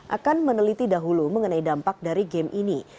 akan meneliti dahulu mengenai dampak dari game ini